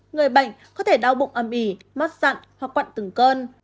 người bệnh có thể đau bụng âm ỉ mất dặn hoặc quặn từng cơn